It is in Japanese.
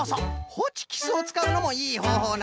ホチキスをつかうのもいいほうほうなんじゃよね。